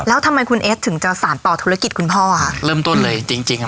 แล้วทำไมคุณเอสถึงจะสารต่อธุรกิจคุณพ่อค่ะเริ่มต้นเลยจริงจริงอ่ะ